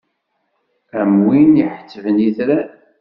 Am win iḥettben itran.